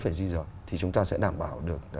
phải gì rồi thì chúng ta sẽ đảm bảo được